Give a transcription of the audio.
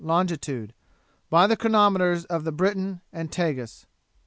longitude, by the chronometers of the Briton and Tagus.